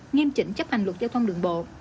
nghiêm chỉnh chấp hành luật giao thông đường bộ